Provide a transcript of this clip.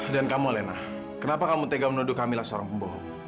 dan kamu alena kenapa kamu tega menuduh kamilah seorang pembohong